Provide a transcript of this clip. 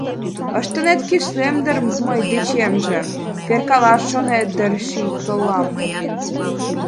Ыштынет кӱслем дыр мый дечемже, Перкалаш шонет дыр ший кыллам.